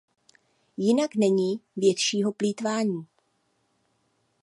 Jinak není většího plýtvání.